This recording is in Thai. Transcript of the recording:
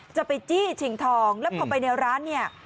จะไปจี้ชิงทองแล้วพอไปในร้านเนี่ย